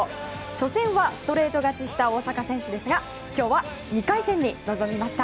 初戦はストレート勝ちした大坂選手ですが今日は２回戦に臨みました。